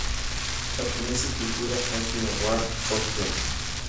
Japanese Cultural Agency Award, Tokyo.